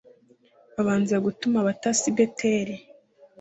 Babanza gutuma abatasi i beteli